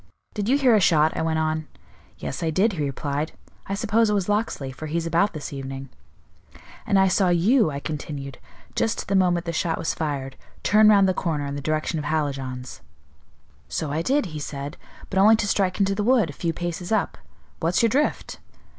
'Did you hear a shot?' I went on. 'Yes, I did,' he replied; 'I suppose it was Locksley, for he's about this evening,' 'And I saw you,' I continued, 'just at the moment the shot was fired, turn round the corner in the direction of Hallijohn's.' 'So I did,' he said, 'but only to strike into the wood, a few paces up. What's your drift?